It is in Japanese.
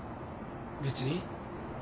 別に。